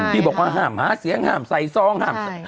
ที่บอกว่าห่ามหาเสียงห่ามใส่ซองห่ามใส่ใช่ค่ะ